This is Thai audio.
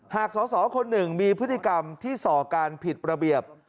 สอสอคนหนึ่งมีพฤติกรรมที่ส่อการผิดระเบียบ